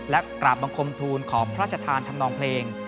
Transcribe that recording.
และกลับบังคมทูลของพระอาจารย์ทำนองเพลง